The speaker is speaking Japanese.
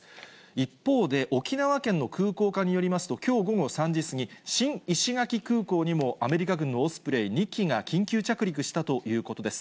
一方で、沖縄県の空港課によりますと、きょう午後３時過ぎ、新石垣空港にも、アメリカ軍のオスプレイ２機が緊急着陸したということです。